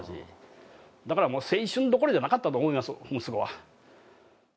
だから青春どころじゃなかったと思います、息子は。